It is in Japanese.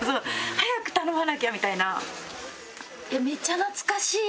早く頼まなきゃ！みたいな。